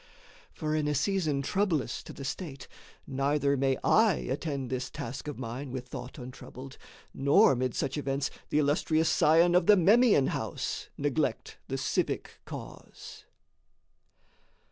For in a season troublous to the state Neither may I attend this task of mine With thought untroubled, nor mid such events The illustrious scion of the Memmian house Neglect the civic cause.